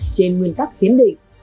trên nguyên tắc hiến định